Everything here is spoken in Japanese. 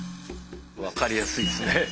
分かりやすいですね。